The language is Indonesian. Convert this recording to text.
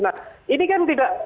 nah ini kan tidak